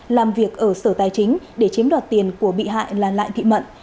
làm việc ở sở tài chính để chiếm đoạt tiền của bị hại là lại thị mận